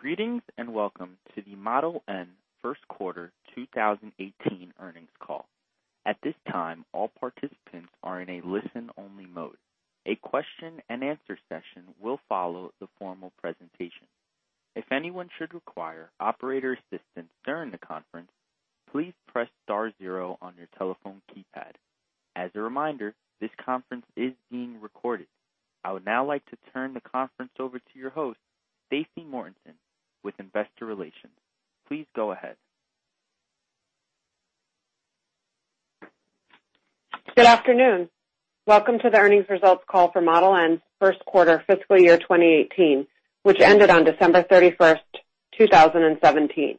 Greetings and welcome to the Model N first quarter 2018 earnings call. At this time, all participants are in a listen-only mode. A question and answer session will follow the formal presentation. If anyone should require operator assistance during the conference, please press star zero on your telephone keypad. As a reminder, this conference is being recorded. I would now like to turn the conference over to your host, Stacy Mortensen, with investor relations. Please go ahead. Good afternoon. Welcome to the earnings results call for Model N's first quarter fiscal year 2018, which ended on December 31st, 2017.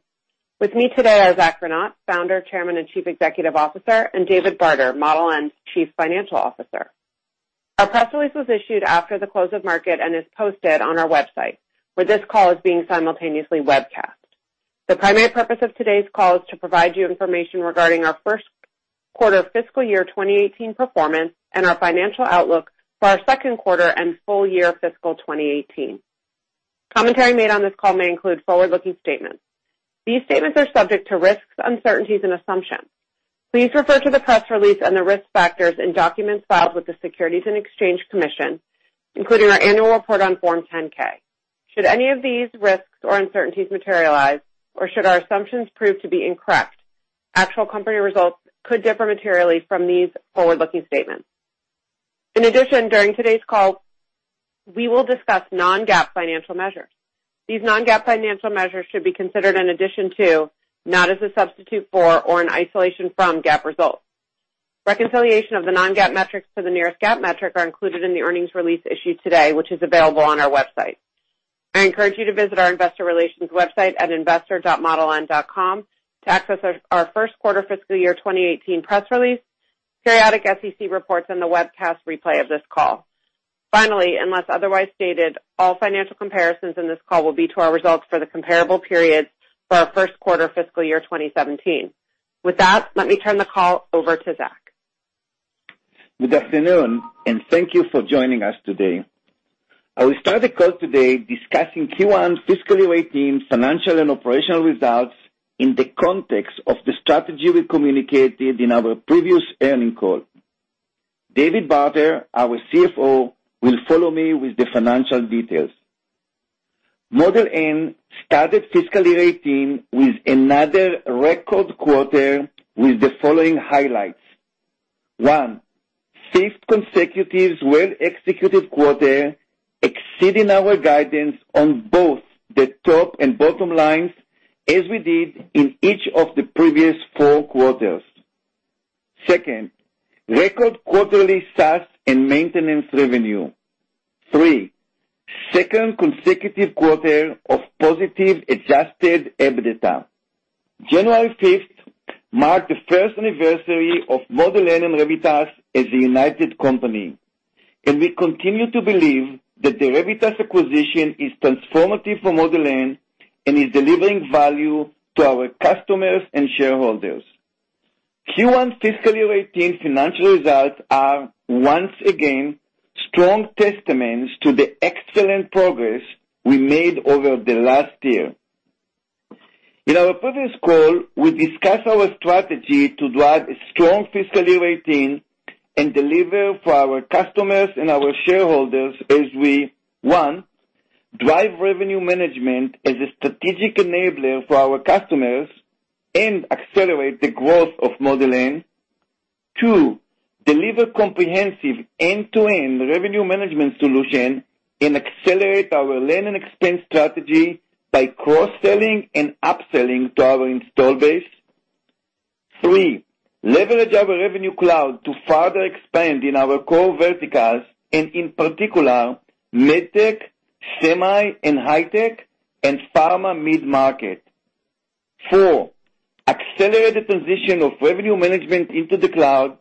With me today are Zack Rinat, founder, chairman, and Chief Executive Officer, and David Barter, Model N's Chief Financial Officer. Our press release was issued after the close of market and is posted on our website, where this call is being simultaneously webcast. The primary purpose of today's call is to provide you information regarding our first quarter fiscal year 2018 performance and our financial outlook for our second quarter and full year fiscal 2018. Commentary made on this call may include forward-looking statements. These statements are subject to risks, uncertainties, and assumptions. Please refer to the press release and the risk factors in documents filed with the Securities and Exchange Commission, including our annual report on Form 10-K. Should any of these risks or uncertainties materialize or should our assumptions prove to be incorrect, actual company results could differ materially from these forward-looking statements. In addition, during today's call, we will discuss non-GAAP financial measures. These non-GAAP financial measures should be considered in addition to, not as a substitute for or in isolation from, GAAP results. Reconciliation of the non-GAAP metrics to the nearest GAAP metric are included in the earnings release issued today, which is available on our website. I encourage you to visit our investor relations website at investor.modeln.com to access our first quarter fiscal year 2018 press release, periodic SEC reports, and the webcast replay of this call. Finally, unless otherwise stated, all financial comparisons in this call will be to our results for the comparable periods for our first quarter fiscal year 2017. With that, let me turn the call over to Zack. Good afternoon. Thank you for joining us today. I will start the call today discussing Q1 fiscal year 2018 financial and operational results in the context of the strategy we communicated in our previous earnings call. David Barter, our CFO, will follow me with the financial details. Model N started fiscal year 2018 with another record quarter with the following highlights. One, fifth consecutive well-executed quarter, exceeding our guidance on both the top and bottom lines as we did in each of the previous four quarters. Second, record quarterly SaaS and maintenance revenue. Three, second consecutive quarter of positive adjusted EBITDA. January 5th marked the first anniversary of Model N and Revitas as a united company. We continue to believe that the Revitas acquisition is transformative for Model N and is delivering value to our customers and shareholders. Q1 fiscal year 2018 financial results are, once again, strong testaments to the excellent progress we made over the last year. In our previous call, we discussed our strategy to drive a strong fiscal year 2018 and deliver for our customers and our shareholders as we, one, drive revenue management as a strategic enabler for our customers and accelerate the growth of Model N. Two, deliver comprehensive end-to-end revenue management solution and accelerate our land and expand strategy by cross-selling and upselling to our install base. Three, leverage our Revenue Cloud to further expand in our core verticals and in particular, MedTech, Semi and High Tech, and Pharma mid-market. Four, accelerate the transition of revenue management into the cloud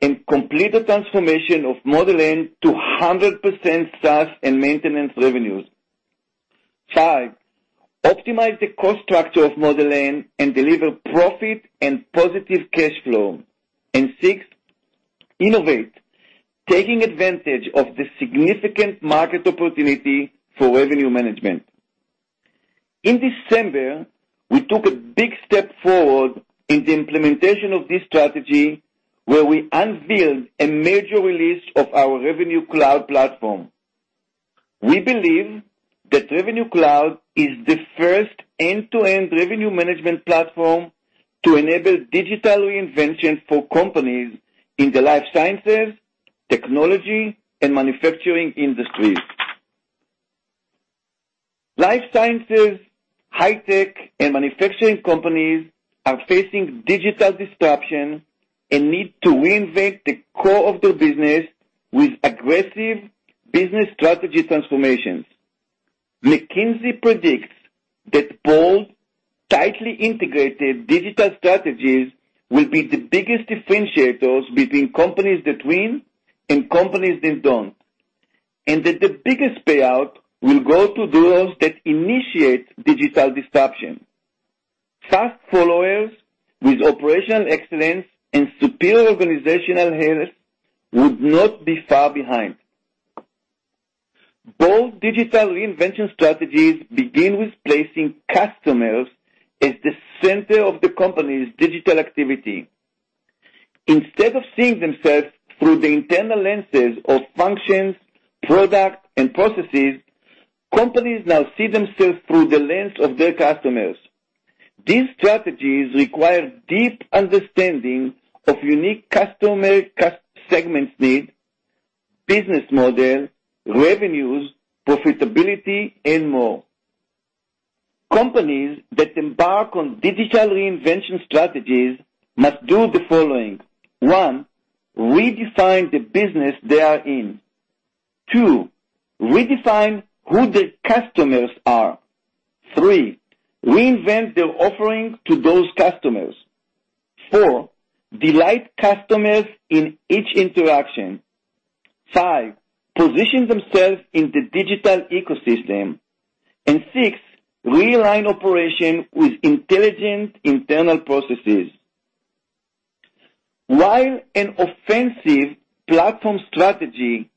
and complete the transformation of Model N to 100% SaaS and maintenance revenues. Five, optimize the cost structure of Model N and deliver profit and positive cash flow. Sixth, innovate, taking advantage of the significant market opportunity for revenue management. In December, we took a big step forward in the implementation of this strategy where we unveiled a major release of our Revenue Cloud platform. We believe that Revenue Cloud is the first end-to-end revenue management platform to enable digital reinvention for companies in the life sciences, technology, and manufacturing industries. Life sciences, High Tech, and manufacturing companies are facing digital disruption and need to reinvent the core of their business with aggressive business strategy transformations. McKinsey predicts that bold, tightly integrated digital strategies will be the biggest differentiators between companies that win and companies that don't, and that the biggest payout will go to those that initiate digital disruption. Fast followers with operational excellence and superior organizational health would not be far behind. Both digital reinvention strategies begin with placing customers as the center of the company's digital activity. Instead of seeing themselves through the internal lenses of functions, products, and processes, companies now see themselves through the lens of their customers. These strategies require deep understanding of unique customer segments' needs, business model, revenues, profitability, and more. Companies that embark on digital reinvention strategies must do the following. One, redefine the business they are in. Two, redefine who the customers are. Three, reinvent their offering to those customers. Four, delight customers in each interaction. Five, position themselves in the digital ecosystem. Six, realign operation with intelligent internal processes. While an offensive platform strategy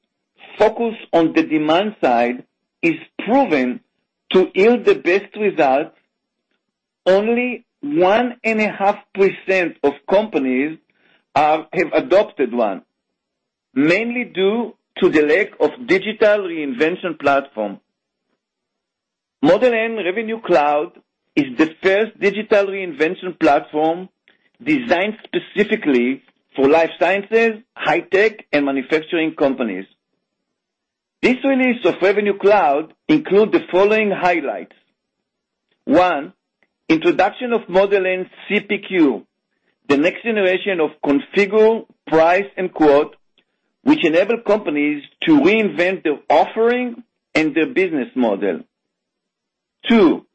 focused on the demand side is proven to yield the best results, only 1.5% of companies have adopted one, mainly due to the lack of digital reinvention platform. Model N Revenue Cloud is the first digital reinvention platform designed specifically for life sciences, High Tech, and manufacturing companies. This release of Revenue Cloud include the following highlights. One, introduction of Model N CPQ, the next generation of configure, price, and quote, which enable companies to reinvent their offering and their business model. Two,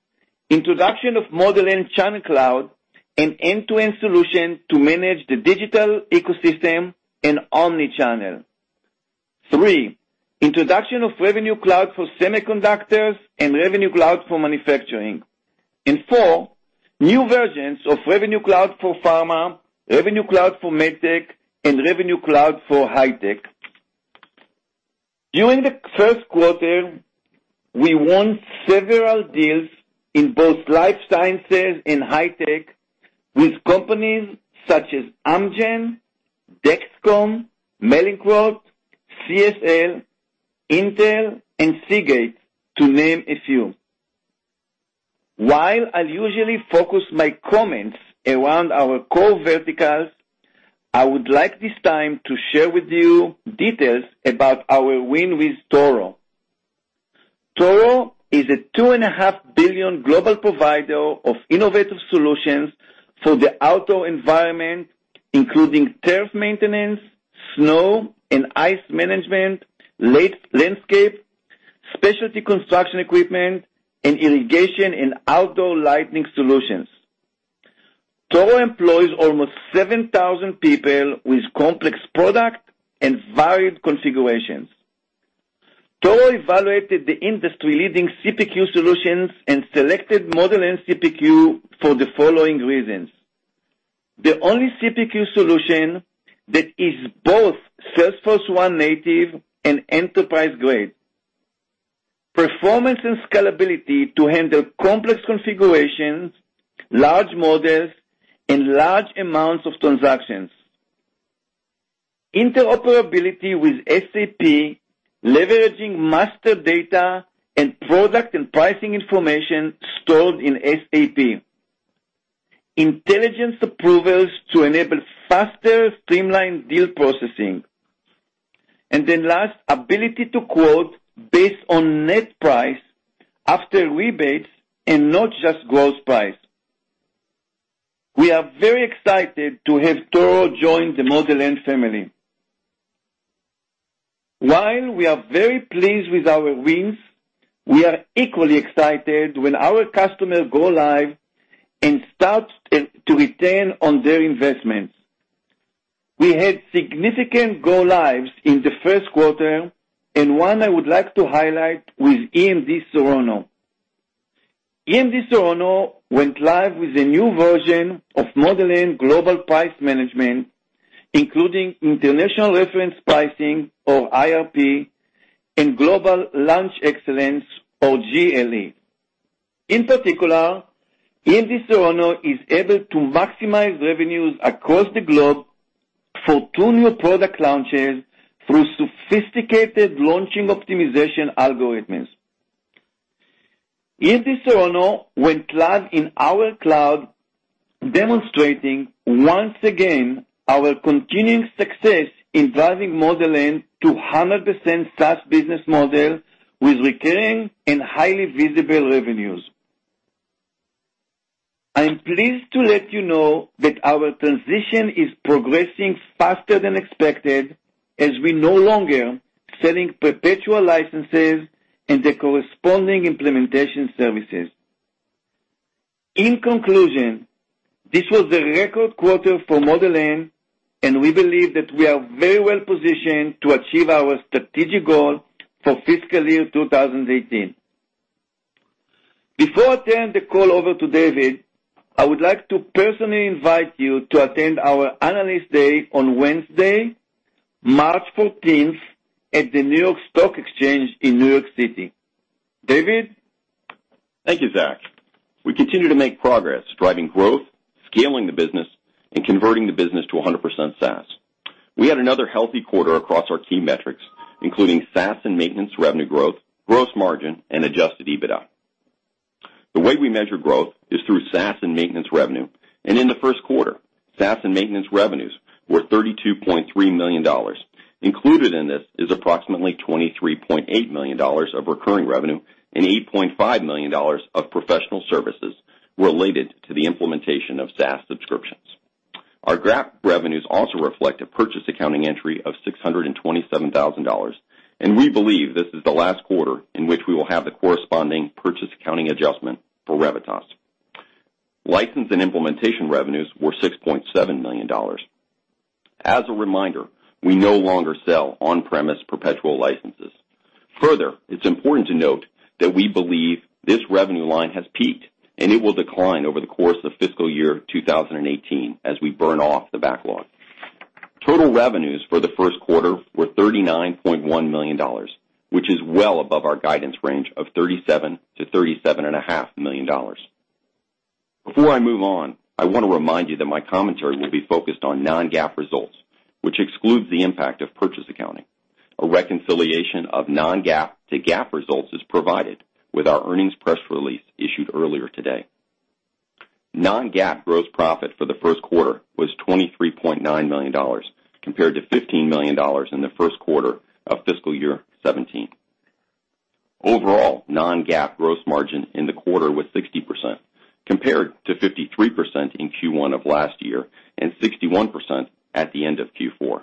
introduction of Model N Channel Cloud, an end-to-end solution to manage the digital ecosystem and omni-channel. Three, introduction of Revenue Cloud for Semiconductors and Revenue Cloud for Manufacturing. Four, new versions of Revenue Cloud for Pharma, Revenue Cloud for MedTech, and Revenue Cloud for High Tech. During the first quarter, we won several deals in both life sciences and High Tech with companies such as Amgen, Dexcom, Mallinckrodt, CSL, Intel, and Seagate, to name a few. While I usually focus my comments around our core verticals, I would like this time to share with you details about our win with Toro. Toro is a $2.5 billion global provider of innovative solutions for the outdoor environment, including turf maintenance, snow and ice management, landscape, specialty construction equipment, and irrigation and outdoor lighting solutions. Toro employs almost 7,000 people with complex product and varied configurations. Toro evaluated the industry-leading CPQ solutions and selected Model N CPQ for the following reasons. The only CPQ solution that is both Salesforce1 native and enterprise-grade. Performance and scalability to handle complex configurations, large models, and large amounts of transactions. Interoperability with SAP, leveraging master data and product and pricing information stored in SAP. Intelligent approvals to enable faster, streamlined deal processing. Ability to quote based on net price after rebates and not just gross price. We are very excited to have Toro join the Model N family. While we are very pleased with our wins, we are equally excited when our customers go live and start to realize on their investments. We had significant go lives in the first quarter, and one I would like to highlight with EMD Serono. EMD Serono went live with a new version of Model N Global Pricing Management, including International Reference Pricing, or IRP, and Global Launch Excellence, or GLE. In particular, EMD Serono is able to maximize revenues across the globe for two new product launches through sophisticated launching optimization algorithms. EMD Serono went live in our cloud, demonstrating once again our continuing success in driving Model N to 100% SaaS business model with recurring and highly visible revenues. I'm pleased to let you know that our transition is progressing faster than expected as we're no longer selling perpetual licenses and the corresponding implementation services. In conclusion, this was a record quarter for Model N, and we believe that we are very well positioned to achieve our strategic goal for fiscal year 2018. Before I turn the call over to David, I would like to personally invite you to attend our Analyst Day on Wednesday, March 14th at the New York Stock Exchange in New York City. David? Thank you, Zack. We continue to make progress driving growth, scaling the business, and converting the business to 100% SaaS. We had another healthy quarter across our key metrics, including SaaS and maintenance revenue growth, gross margin, and adjusted EBITDA. The way we measure growth is through SaaS and maintenance revenue, and in the first quarter, SaaS and maintenance revenues were $32.3 million. Included in this is approximately $23.8 million of recurring revenue and $8.5 million of professional services related to the implementation of SaaS subscriptions. Our GAAP revenues also reflect a purchase accounting entry of $627,000, and we believe this is the last quarter in which we will have the corresponding purchase accounting adjustment for Revitas. License and implementation revenues were $6.7 million. As a reminder, we no longer sell on-premise perpetual licenses. Further, it's important to note that we believe this revenue line has peaked, and it will decline over the course of fiscal year 2018 as we burn off the backlog. Total revenues for the first quarter were $39.1 million, which is well above our guidance range of $37 million-$37.5 million. Before I move on, I want to remind you that my commentary will be focused on non-GAAP results, which excludes the impact of purchase accounting. A reconciliation of non-GAAP to GAAP results is provided with our earnings press release issued earlier today. Non-GAAP gross profit for the first quarter was $23.9 million, compared to $15 million in the first quarter of fiscal year 2017. Overall, non-GAAP gross margin in the quarter was 60%, compared to 53% in Q1 of last year and 61% at the end of Q4.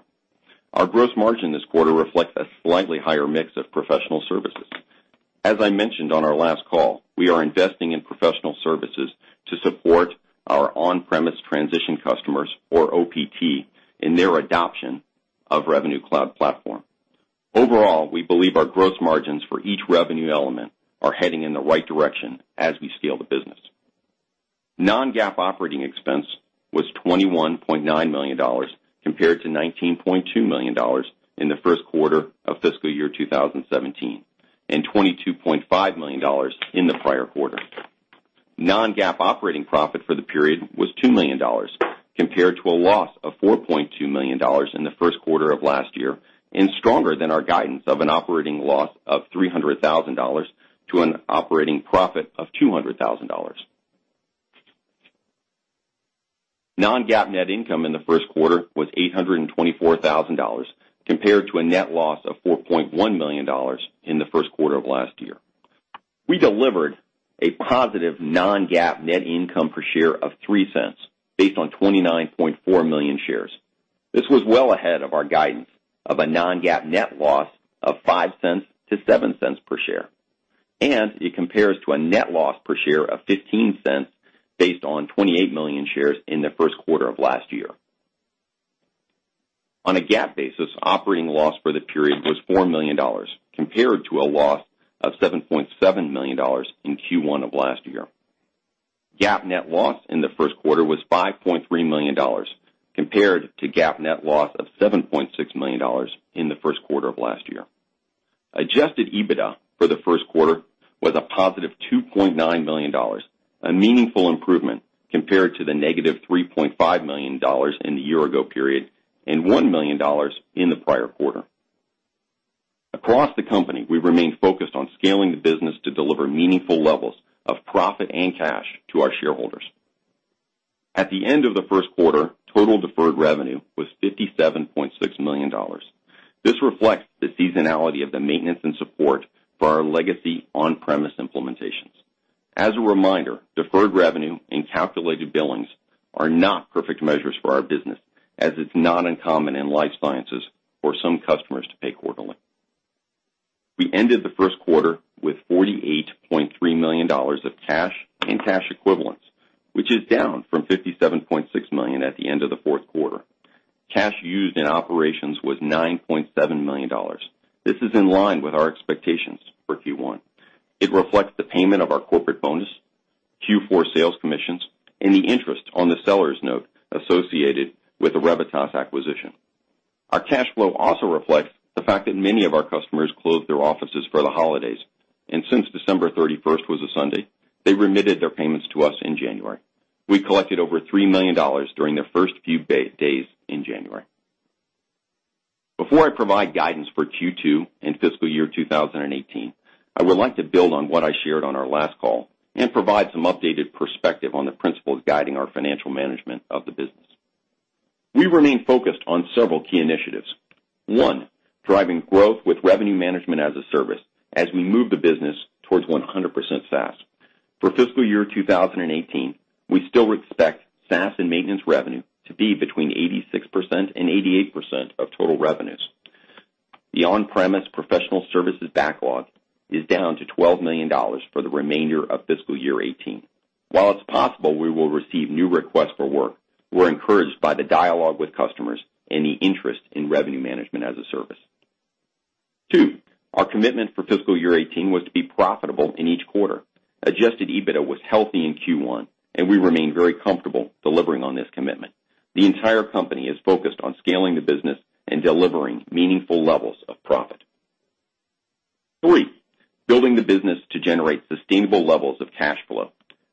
Our gross margin this quarter reflects a slightly higher mix of professional services. As I mentioned on our last call, we are investing in professional services to support our on-premise transition customers, or OPT, in their adoption of Revenue Cloud Platform. Overall, we believe our gross margins for each revenue element are heading in the right direction as we scale the business. Non-GAAP operating expense was $21.9 million, compared to $19.2 million in the first quarter of fiscal year 2017, and $22.5 million in the prior quarter. Non-GAAP operating profit for the period was $2 million compared to a loss of $4.2 million in the first quarter of last year, and stronger than our guidance of an operating loss of $300,000 to an operating profit of $200,000. Non-GAAP net income in the first quarter was $824,000, compared to a net loss of $4.1 million in the first quarter of last year. We delivered a positive non-GAAP net income per share of $0.03, based on 29.4 million shares. This was well ahead of our guidance of a non-GAAP net loss of $0.05-$0.07 per share, and it compares to a net loss per share of $0.15 based on 28 million shares in the first quarter of last year. On a GAAP basis, operating loss for the period was $4 million, compared to a loss of $7.7 million in Q1 of last year. GAAP net loss in the first quarter was $5.3 million, compared to GAAP net loss of $7.6 million in the first quarter of last year. Adjusted EBITDA for the first quarter was a positive $2.9 million, a meaningful improvement compared to the negative $3.5 million in the year-ago period and $1 million in the prior quarter. Across the company, we remain focused on scaling the business to deliver meaningful levels of profit and cash to our shareholders. At the end of the first quarter, total deferred revenue was $57.6 million. This reflects the seasonality of the maintenance and support for our legacy on-premise implementations. As a reminder, deferred revenue and calculated billings are not perfect measures for our business, as it's not uncommon in life sciences for some customers to pay quarterly. We ended the first quarter with $48.3 million of cash in cash equivalents, which is down from $57.6 million at the end of the fourth quarter. Cash used in operations was $9.7 million. This is in line with our expectations for Q1. It reflects the payment of our corporate bonus, Q4 sales commissions, and the interest on the seller's note associated with the Revitas acquisition. Our cash flow also reflects the fact that many of our customers closed their offices for the holidays, and since December 31st was a Sunday, they remitted their payments to us in January. We collected over $3 million during the first few days in January. Before I provide guidance for Q2 and fiscal year 2018, I would like to build on what I shared on our last call and provide some updated perspective on the principles guiding our financial management of the business. We remain focused on several key initiatives. One, driving growth with revenue management as a service as we move the business towards 100% SaaS. For fiscal year 2018, we still expect SaaS and maintenance revenue to be between 86% and 88% of total revenues. The on-premise professional services backlog is down to $12 million for the remainder of fiscal year 2018. While it's possible we will receive new requests for work, we're encouraged by the dialogue with customers and the interest in revenue management as a service. Two, our commitment for fiscal year 2018 was to be profitable in each quarter. Adjusted EBITDA was healthy in Q1, and we remain very comfortable delivering on this commitment. The entire company is focused on scaling the business and delivering meaningful levels of profit. Three, building the business to generate sustainable levels of cash flow.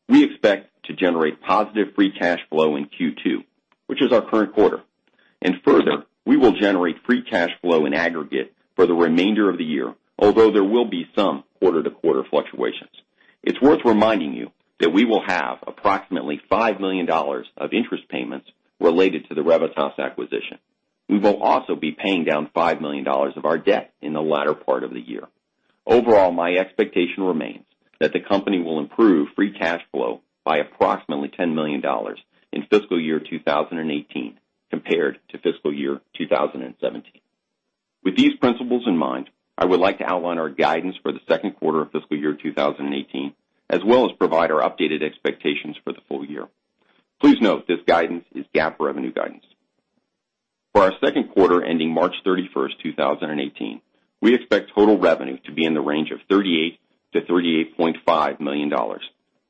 We expect to generate positive free cash flow in Q2, which is our current quarter. Further, we will generate free cash flow in aggregate for the remainder of the year, although there will be some quarter-to-quarter fluctuations. It's worth reminding you that we will have approximately $5 million of interest payments related to the Revitas acquisition. We will also be paying down $5 million of our debt in the latter part of the year. Overall, my expectation remains that the company will improve free cash flow by approximately $10 million in fiscal year 2018 compared to fiscal year 2017. With these principles in mind, I would like to outline our guidance for the second quarter of fiscal year 2018, as well as provide our updated expectations for the full year. Please note this guidance is GAAP revenue guidance. For our second quarter ending March 31st, 2018, we expect total revenue to be in the range of $38 million to $38.5 million.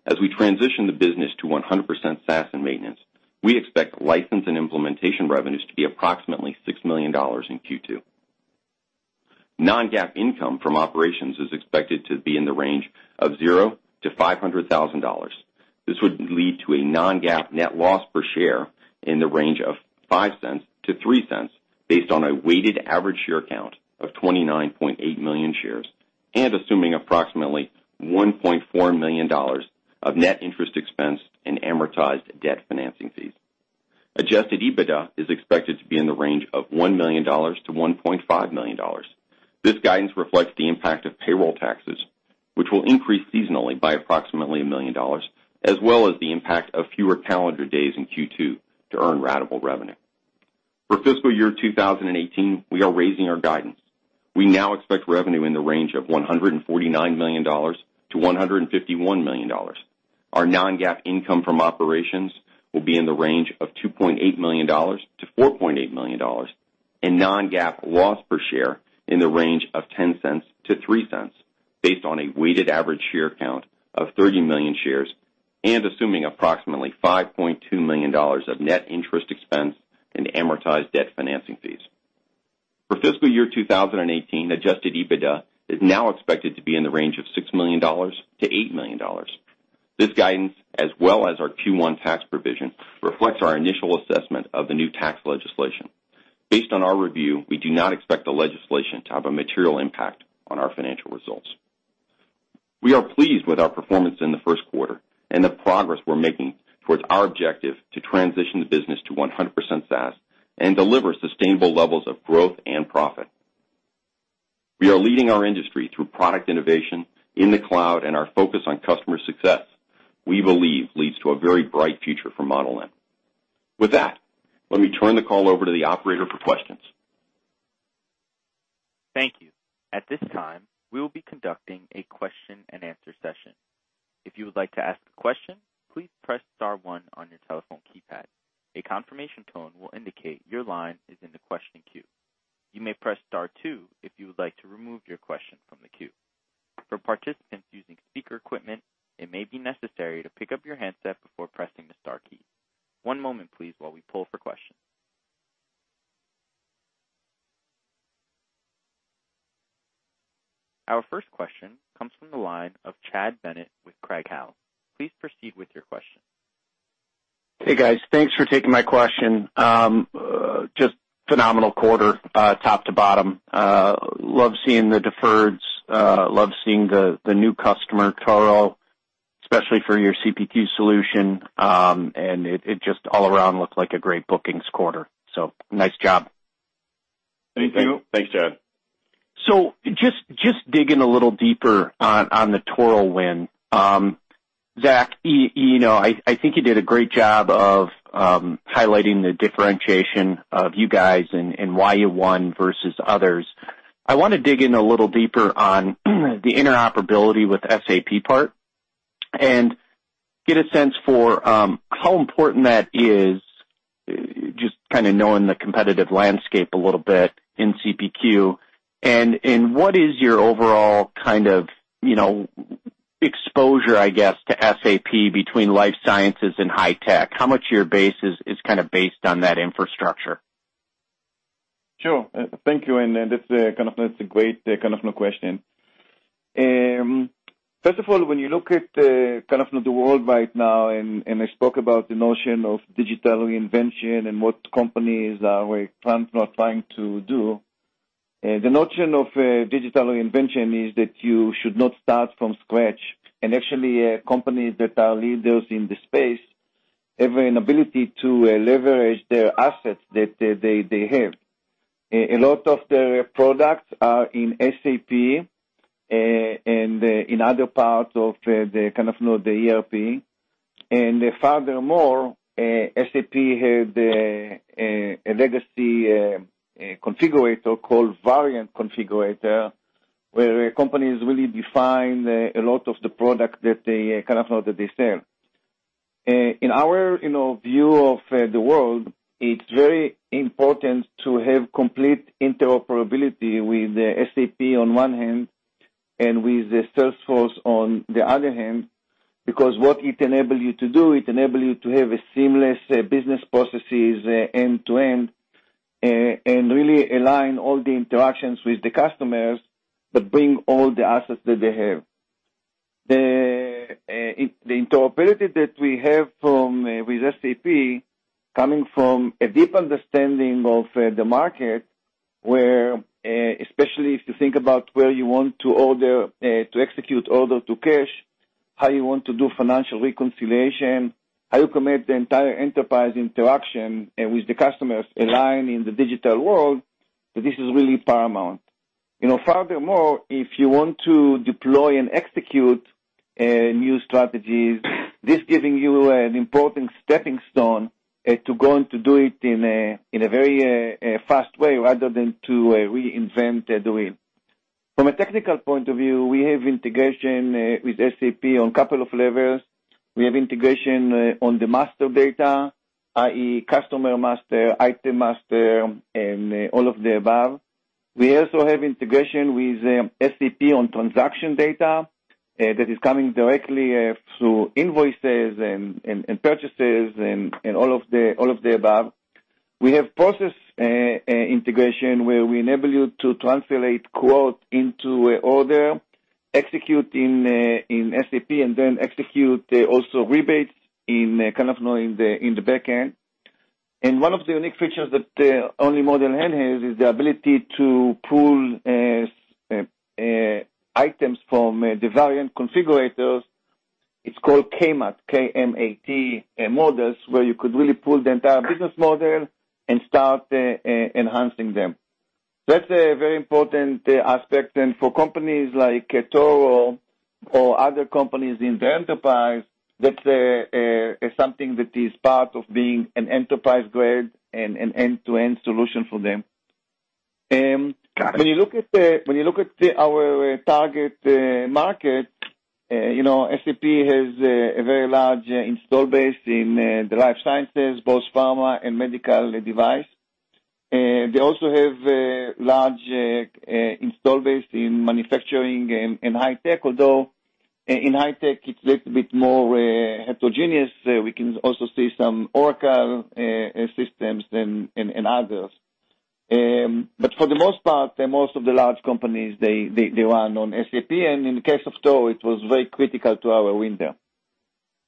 As we transition the business to 100% SaaS and maintenance, we expect license and implementation revenues to be approximately $6 million in Q2. Non-GAAP income from operations is expected to be in the range of $0 to $500,000. This would lead to a non-GAAP net loss per share in the range of $0.05 to $0.03, based on a weighted average share count of 29.8 million shares, and assuming approximately $1.4 million of net interest expense and amortized debt financing fees. Adjusted EBITDA is expected to be in the range of $1 million to $1.5 million. This guidance reflects the impact of payroll taxes, which will increase seasonally by approximately $1 million, as well as the impact of fewer calendar days in Q2 to earn ratable revenue. For fiscal year 2018, we are raising our guidance. We now expect revenue in the range of $149 million to $151 million. Our non-GAAP income from operations will be in the range of $2.8 million to $4.8 million, and non-GAAP loss per share in the range of $0.10 to $0.03, based on a weighted average share count of 30 million shares, and assuming approximately $5.2 million of net interest expense and amortized debt financing fees. For fiscal year 2018, adjusted EBITDA is now expected to be in the range of $6 million to $8 million. This guidance, as well as our Q1 tax provision, reflects our initial assessment of the new tax legislation. Based on our review, we do not expect the legislation to have a material impact on our financial results. We are pleased with our performance in the first quarter and the progress we're making towards our objective to transition the business to 100% SaaS and deliver sustainable levels of growth and profit. We are leading our industry through product innovation in the cloud. Our focus on customer success, we believe, leads to a very bright future for Model N. With that, let me turn the call over to the operator for questions. Thank you. At this time, we will be conducting a question and answer session. If you would like to ask a question, please press star one on your telephone keypad. A confirmation tone will indicate your line is in the question queue. You may press star two if you would like to remove your question from the queue. For participants using speaker equipment, it may be necessary to pick up your handset before pressing the star key. One moment, please, while we pull for questions. Our first question comes from the line of Chad Bennett with Craig-Hallum. Please proceed with your question. Hey, guys. Thanks for taking my question. Just phenomenal quarter, top to bottom. Love seeing the deferreds, love seeing the new customer, Toro, especially for your CPQ solution. It just all around looked like a great bookings quarter. Nice job. Thank you. Thanks, Chad. Just digging a little deeper on the Toro win. Zack, you know, I think you did a great job of highlighting the differentiation of you guys and why you won versus others. I want to dig in a little deeper on the interoperability with SAP part and get a sense for how important that is, just kind of knowing the competitive landscape a little bit in CPQ, and what is your overall kind of, you know, exposure, I guess, to SAP between life sciences and high tech? How much of your base is kind of based on that infrastructure? Sure. Thank you. That's a great kind of question. First of all, when you look at the kind of the world right now, I spoke about the notion of digital reinvention and what companies are trying or not trying to do. The notion of digital reinvention is that you should not start from scratch. Actually, companies that are leaders in the space have an ability to leverage their assets that they have. A lot of their products are in SAP, and in other parts of the kind of, you know, the ERP. Furthermore, SAP had a legacy configurator called Variant Configurator, where companies really define a lot of the product that they sell. In our view of the world, it's very important to have complete interoperability with SAP on one hand, and with Salesforce on the other hand, because what it enables you to do, it enables you to have a seamless business processes end-to-end, and really align all the interactions with the customers that bring all the assets that they have. The interoperability that we have with SAP coming from a deep understanding of the market, where, especially if you think about where you want to execute order to cash, how you want to do financial reconciliation, how you commit the entire enterprise interaction with the customers aligned in the digital world, this is really paramount. If you want to deploy and execute new strategies, this giving you an important stepping stone to go and to do it in a very fast way, rather than to reinvent the wheel. From a technical point of view, we have integration with SAP on couple of levels. We have integration on the master data, i.e., customer master, item master, and all of the above. We also have integration with SAP on transaction data that is coming directly through invoices and purchases and all of the above. We have process integration where we enable you to translate quote into order, execute in SAP, and then execute also rebates in the back end. One of the unique features that only Model N has, is the ability to pull items from the Variant Configurators. It's called KMAT, K-M-A-T models, where you could really pull the entire business model and start enhancing them. That's a very important aspect. For companies like Toro or other companies in the enterprise, that's something that is part of being an enterprise grade and an end-to-end solution for them. When you look at our target market, SAP has a very large install base in the life sciences, both pharma and medical device. They also have a large install base in manufacturing and high tech, although in high tech, it's a little bit more heterogeneous. We can also see some Oracle systems and others. For the most part, most of the large companies, they run on SAP. In the case of Toro, it was very critical to our window.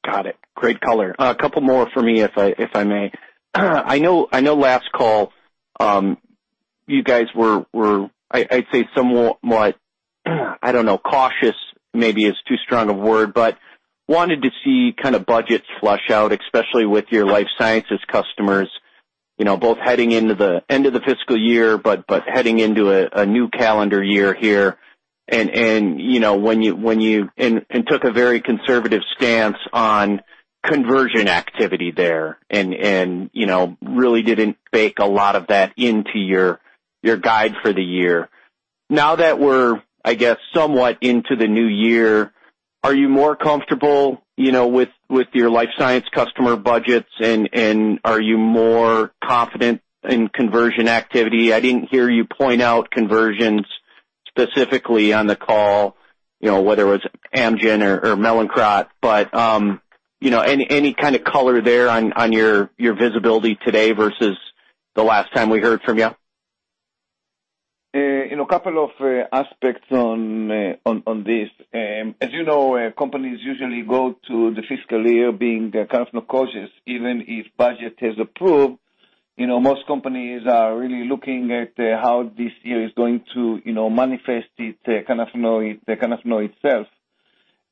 Got it. Great color. A couple more for me, if I may. I know last call, you guys were, I'd say, somewhat, I don't know, cautious maybe is too strong a word, but wanted to see kind of budgets flush out, especially with your life sciences customers, both heading into the end of the fiscal year, but heading into a new calendar year here. Took a very conservative stance on conversion activity there, and really didn't bake a lot of that into your guide for the year. Now that we're, I guess, somewhat into the new year, are you more comfortable with your life science customer budgets, and are you more confident in conversion activity? I didn't hear you point out conversions specifically on the call, whether it was Amgen or Mallinckrodt. Any kind of color there on your visibility today versus the last time we heard from you? A couple of aspects on this. As you know, companies usually go to the fiscal year being kind of cautious, even if budget is approved. Most companies are really looking at how this year is going to manifest itself.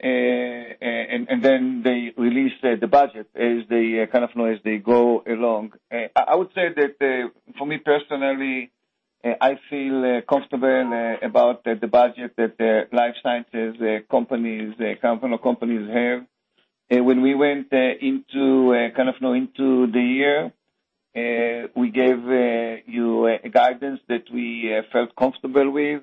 Then they release the budget as they go along. I would say that for me personally, I feel comfortable about the budget that the life sciences companies have. When we went into the year, we gave you a guidance that we felt comfortable with.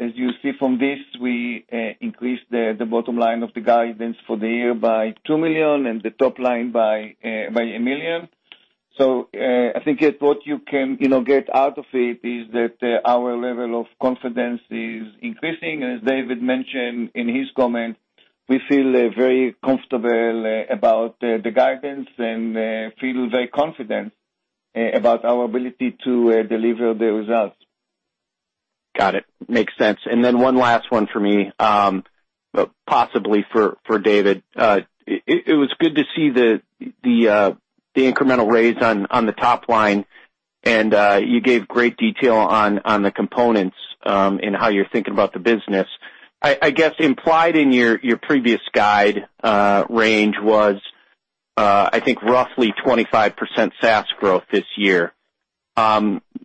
As you see from this, we increased the bottom line of the guidance for the year by $2 million and the top line by $1 million. I think what you can get out of it is that our level of confidence is increasing. As David mentioned in his comment, we feel very comfortable about the guidance and feel very confident about our ability to deliver the results. Got it. Makes sense. Then one last one for me, possibly for David. It was good to see the incremental raise on the top line, and you gave great detail on the components in how you're thinking about the business. I guess, implied in your previous guide range was, I think, roughly 25% SaaS growth this year.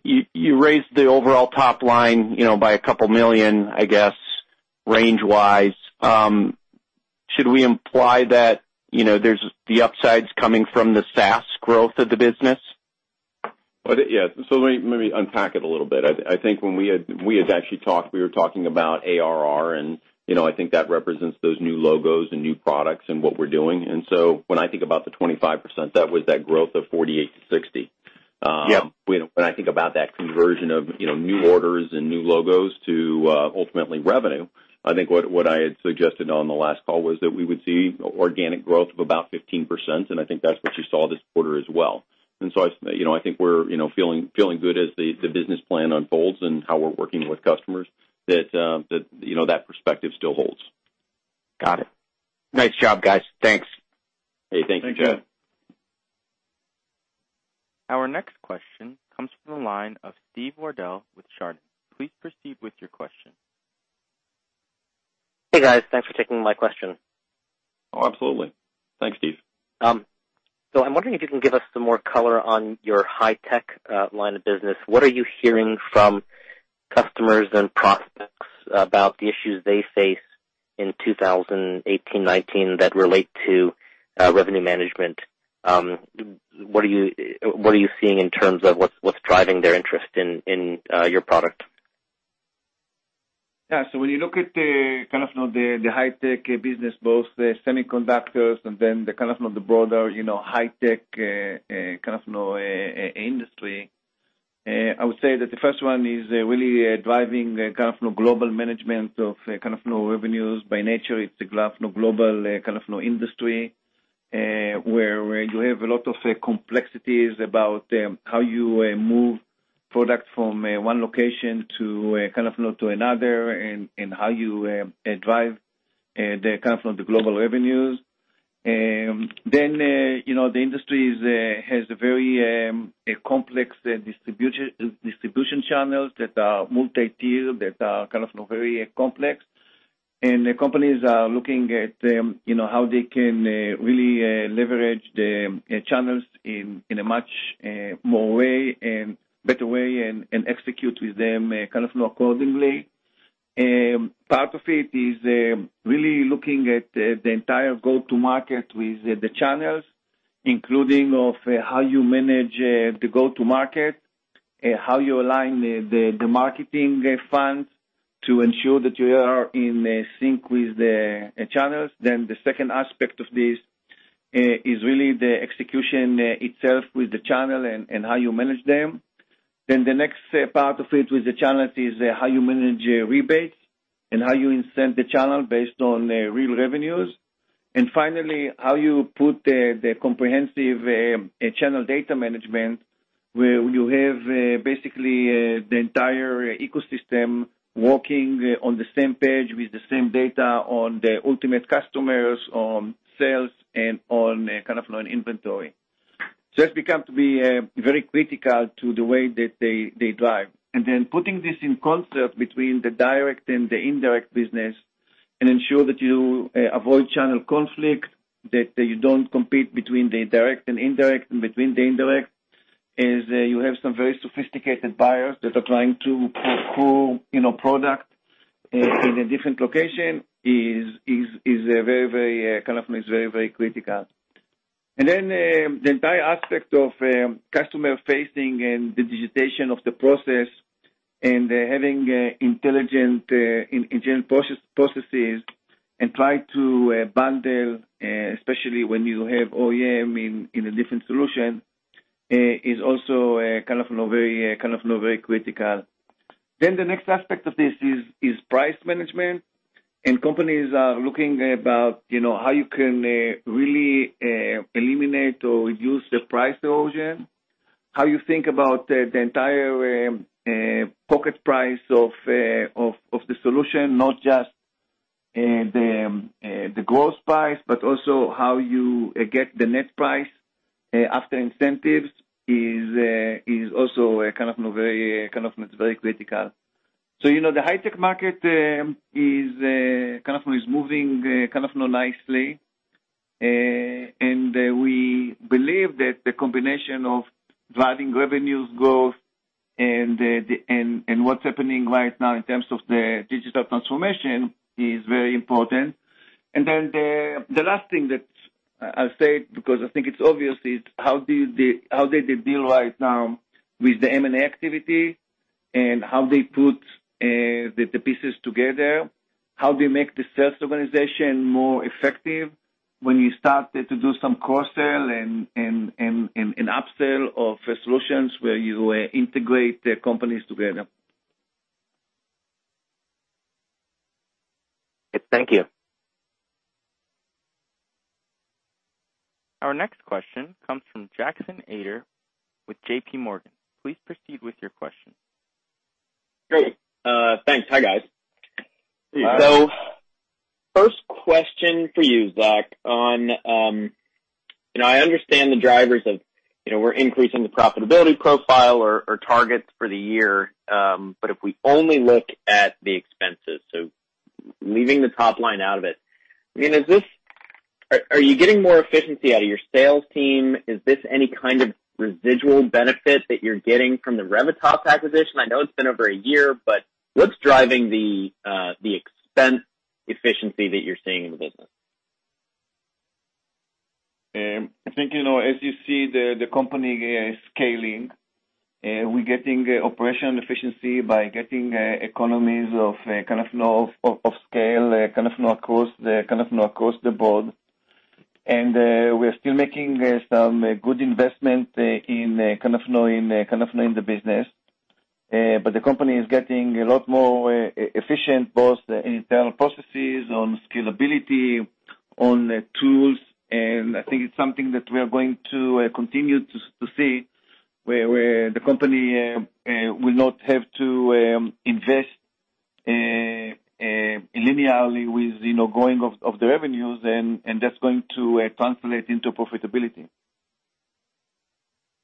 You raised the overall top line by $2 million, I guess Range-wise, should we imply that the upside's coming from the SaaS growth of the business? Yes. Let me unpack it a little bit. I think when we had actually talked, we were talking about ARR, and I think that represents those new logos and new products and what we're doing. When I think about the 25%, that was that growth of 48 to 60. Yep. When I think about that conversion of new orders and new logos to ultimately revenue, I think what I had suggested on the last call was that we would see organic growth of about 15%, and I think that's what you saw this quarter as well. I think we're feeling good as the business plan unfolds and how we're working with customers, that perspective still holds. Got it. Nice job, guys. Thanks. Hey, thank you, Chad. Thanks, Chad. Our next question comes from the line of Steve Wardell with Chardan. Please proceed with your question. Hey, guys. Thanks for taking my question. Oh, absolutely. Thanks, Steve. I'm wondering if you can give us some more color on your high tech line of business. What are you hearing from customers and prospects about the issues they face in 2018-2019 that relate to revenue management? What are you seeing in terms of what's driving their interest in your product? Yeah. When you look at the high tech business, both the semiconductors and the broader high tech industry, I would say that the first one is really driving global management of revenues. By nature, it's a global industry, where you have a lot of complexities about how you move product from one location to another and how you drive the global revenues. The industry has very complex distribution channels that are multi-tiered, that are very complex. Companies are looking at how they can really leverage the channels in a much more way and better way, and execute with them accordingly. Part of it is really looking at the entire go-to market with the channels, including of how you manage the go-to market, how you align the marketing funds to ensure that you are in sync with the channels. The second aspect of this is really the execution itself with the channel and how you manage them. The next part of it with the channels is how you manage rebates and how you incent the channel based on real revenues. Finally, how you put the comprehensive channel data management, where you have basically the entire ecosystem working on the same page with the same data on the ultimate customers, on sales, and on inventory. That's become to be very critical to the way that they drive. Putting this in concert between the direct and the indirect business and ensure that you avoid channel conflict, that you don't compete between the direct and indirect, and between the indirect, as you have some very sophisticated buyers that are trying to pull product in a different location is very, very critical. The entire aspect of customer facing and the digitization of the process and having intelligent processes and try to bundle, especially when you have OEM in a different solution, is also very critical. The next aspect of this is price management, companies are looking about how you can really eliminate or reduce the price erosion. How you think about the entire pocket price of the solution, not just the gross price, but also how you get the net price after incentives is also very critical. The high tech market is moving nicely, we believe that the combination of driving revenues growth and what's happening right now in terms of the digital transformation is very important. The last thing that I'll say, because I think it's obvious, is how did they deal right now with the M&A activity and how they put the pieces together, how they make the sales organization more effective when you start to do some cross-sell and an upsell of solutions where you integrate the companies together. Thank you. Our next question comes from Jackson Ader with JP Morgan. Please proceed with your question. Great. Thanks. Hi, guys. Hey. First question for you, Zack. I understand the drivers of we're increasing the profitability profile or targets for the year. If we only look at the expenses, so leaving the top line out of it, are you getting more efficiency out of your sales team? Is this any kind of residual benefit that you're getting from the Revitas acquisition? I know it's been over a year, what's driving the expense efficiency that you're seeing in the business? I think, as you see, the company is scaling. We're getting operational efficiency by getting economies of scale, kind of, across the board. We're still making some good investment in the business. The company is getting a lot more efficient, both in internal processes, on scalability, on tools, and I think it's something that we are going to continue to see, where the company will not have to invest linearly with going of the revenues, and that's going to translate into profitability.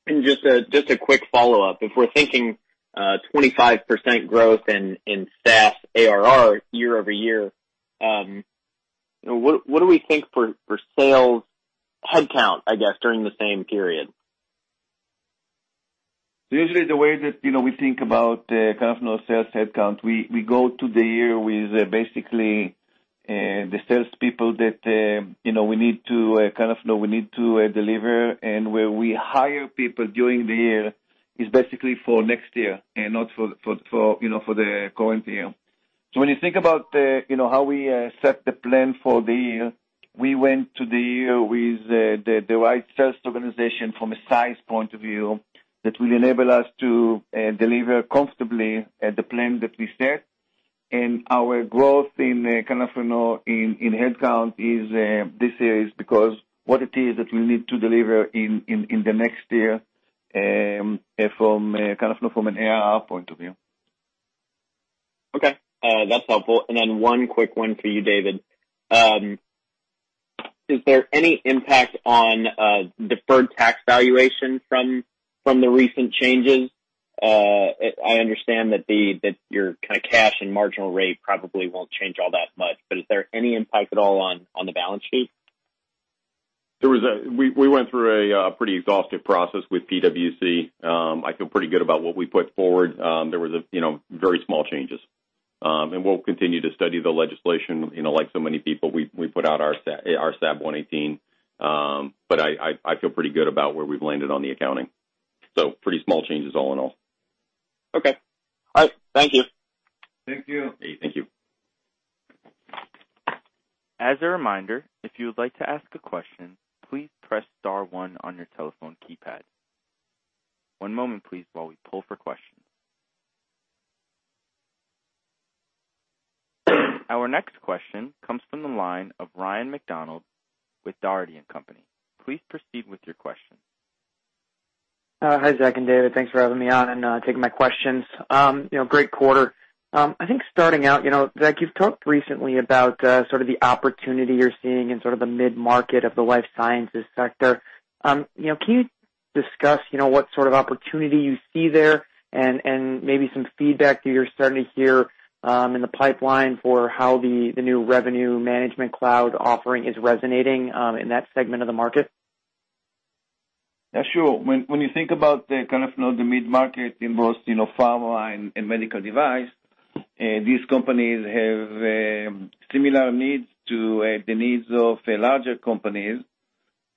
Just a quick follow-up. If we're thinking, 25% growth in SaaS ARR year-over-year, what do we think for sales headcount, I guess, during the same period? Usually, the way that we think about kind of sales headcount, we go to the year with basically, the salespeople that we need to deliver, where we hire people during the year is basically for next year, and not for the current year. When you think about how we set the plan for the year, we went to the year with the right sales organization from a size point of view that will enable us to deliver comfortably at the plan that we set. Our growth in headcount this year is because what it is that we need to deliver in the next year, kind of from an ARR point of view. Okay. That's helpful. One quick one for you, David. Is there any impact on deferred tax valuation from the recent changes? I understand that your, kind of, cash and marginal rate probably won't change all that much, is there any impact at all on the balance sheet? We went through a pretty exhaustive process with PwC. I feel pretty good about what we put forward. There was very small changes. We'll continue to study the legislation, like so many people, we put out our SAB 118, I feel pretty good about where we've landed on the accounting. Pretty small changes all in all. Okay. All right. Thank you. Thank you. Thank you. As a reminder, if you would like to ask a question, please press star one on your telephone keypad. One moment please, while we pull for questions. Our next question comes from the line of Ryan MacDonald with Dougherty & Company. Please proceed with your question. Hi, Zack and David. Thanks for having me on and taking my questions. Great quarter. I think starting out, Zack, you've talked recently about sort of the opportunity you're seeing in sort of the mid-market of the life sciences sector. Can you discuss what sort of opportunity you see there and maybe some feedback that you're starting to hear in the pipeline for how the new Revenue Management Cloud offering is resonating in that segment of the market? Yeah, sure. When you think about the mid-market in both pharma and medical device, these companies have similar needs to the needs of larger companies.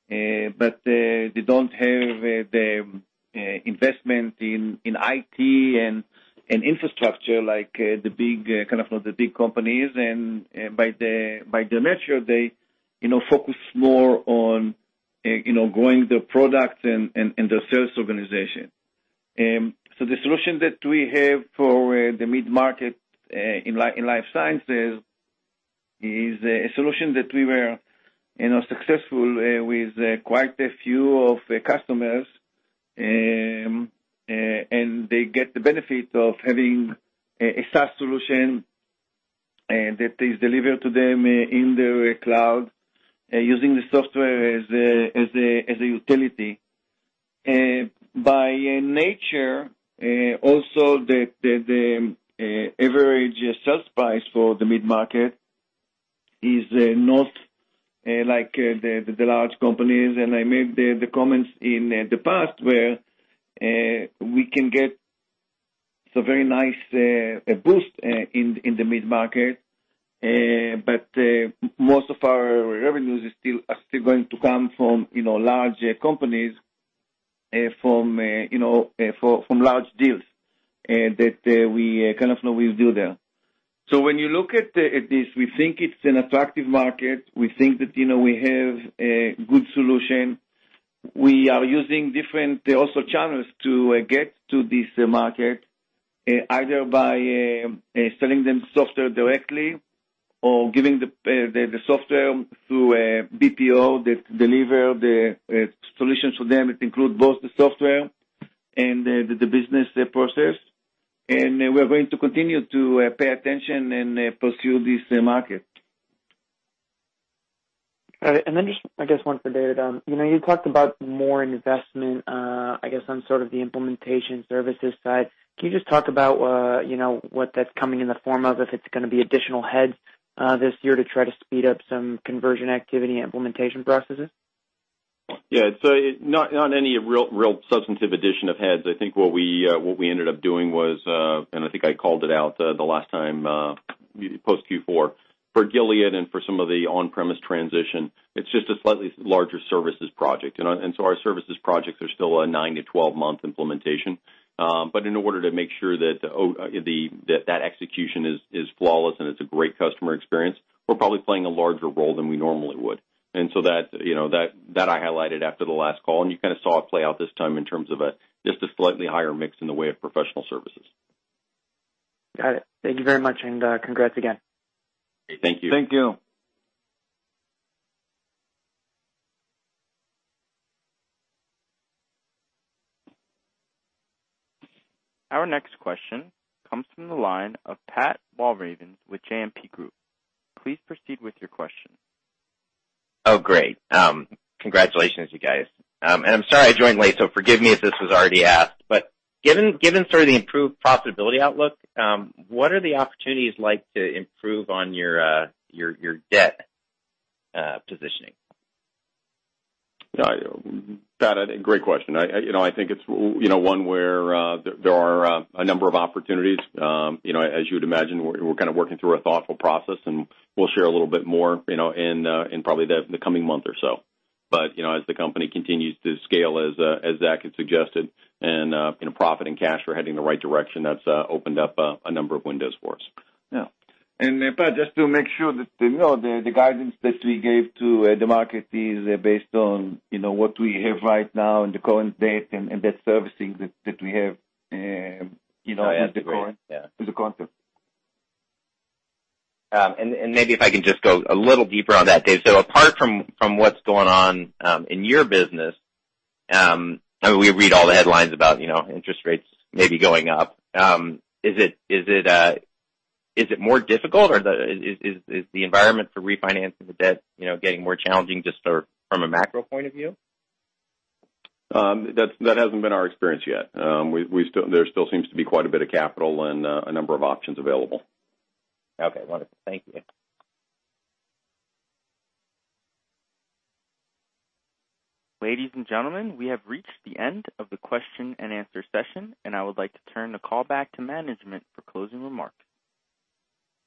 They don't have the investment in IT and infrastructure like the big companies, and by their nature, they focus more on growing their products and their sales organization. The solution that we have for the mid-market in life sciences is a solution that we were successful with quite a few of customers, and they get the benefit of having a SaaS solution that is delivered to them in the cloud, using the software as a utility. By nature, also, the average sales price for the mid-market is not like the large companies, and I made the comments in the past where we can get some very nice boost in the mid-market. Most of our revenues are still going to come from large companies, from large deals that we kind of know we'll do there. When you look at this, we think it's an attractive market. We think that we have a good solution. We are using different also channels to get to this market, either by selling them software directly or giving the software through a BPO that deliver the solutions for them. It includes both the software and the business process. We're going to continue to pay attention and pursue this market. All right. Just, I guess one for David. You talked about more investment, I guess, on sort of the implementation services side. Can you just talk about what that's coming in the form of, if it's going to be additional heads, this year to try to speed up some conversion activity and implementation processes? Yeah. Not any real substantive addition of heads. I think what we ended up doing was, and I think I called it out the last time, post Q4. For Gilead and for some of the on-premise transition, it's just a slightly larger services project. Our services projects are still a nine- to 12-month implementation. In order to make sure that that execution is flawless and it's a great customer experience, we're probably playing a larger role than we normally would. That I highlighted after the last call, and you kind of saw it play out this time in terms of just a slightly higher mix in the way of professional services. Got it. Thank you very much, congrats again. Thank you. Thank you. Our next question comes from the line of Pat Walravens with JMP Securities. Please proceed with your question. Oh, great. Congratulations, you guys. I'm sorry I joined late, so forgive me if this was already asked, but given sort of the improved profitability outlook, what are the opportunities like to improve on your debt positioning? Pat, great question. I think it's one where there are a number of opportunities. As you would imagine, we're kind of working through a thoughtful process, and we'll share a little bit more in probably the coming month or so. As the company continues to scale, as Zack had suggested, and profit and cash are heading the right direction, that's opened up a number of windows for us. Yeah. Pat, just to make sure that the guidance that we gave to the market is based on what we have right now in the current date and that servicing that we have- Yeah. Great. Yeah. to the quarter. Maybe if I can just go a little deeper on that, Dave. Apart from what's going on in your business, we read all the headlines about interest rates maybe going up. Is it more difficult, or is the environment for refinancing the debt getting more challenging just from a macro point of view? That hasn't been our experience yet. There still seems to be quite a bit of capital and a number of options available. Okay, wonderful. Thank you. Ladies and gentlemen, we have reached the end of the question and answer session. I would like to turn the call back to management for closing remarks.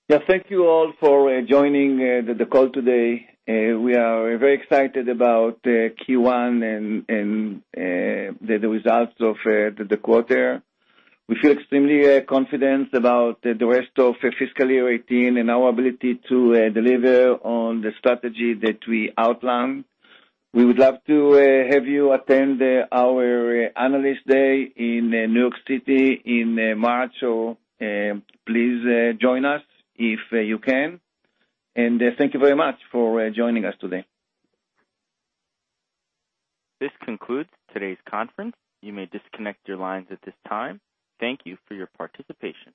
Yeah. Thank you all for joining the call today. We are very excited about Q1 and the results of the quarter. We feel extremely confident about the rest of fiscal year 2018 and our ability to deliver on the strategy that we outlined. We would love to have you attend our Analyst Day in New York City in March. Please join us if you can. Thank you very much for joining us today. This concludes today's conference. You may disconnect your lines at this time. Thank you for your participation.